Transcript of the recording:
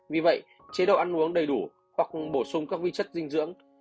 vì vậy chế độ ăn uống đầy đủ hoặc bổ sung các vi chất dinh dưỡng